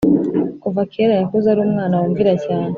kuva kera yakuze arumwana wumvira cyane